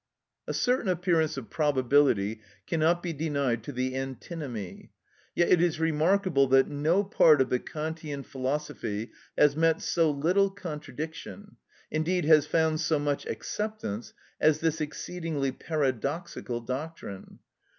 A certain appearance of probability cannot be denied to the antinomy; yet it is remarkable that no part of the Kantian philosophy has met so little contradiction, indeed has found so much acceptance, as this exceedingly paradoxical doctrine.